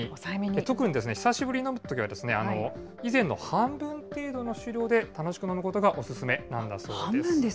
特にですね、久しぶりに飲むときは、以前の半分程度の酒量で、楽しく飲むことがお勧めなんだそうです。